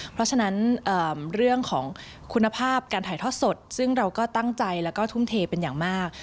เพราะฉะนั้นเรื่องของคุณภาพการถ่ายทอดสดซึ่งเราก็ตั้งใจแล้วก็ทุ่มเทเป็นอย่างมาก